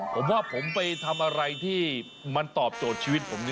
ผมว่าผมไปทำอะไรที่มันตอบโจทย์ชีวิตผม